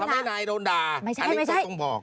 ทำให้นายโดนด่าอันนี้ต้องบอก